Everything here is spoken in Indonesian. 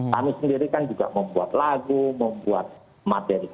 kami sendiri kan juga membuat lagu membuat materi